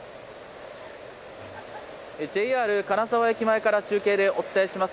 ＪＲ金沢駅前から中継でお伝えします。